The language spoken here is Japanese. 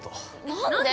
何で？